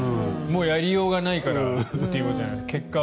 もうやりようがないからということじゃないですか。